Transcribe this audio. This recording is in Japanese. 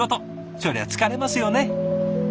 そりゃ疲れますよね。